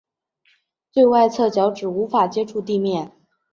最外侧脚趾无法接触地面。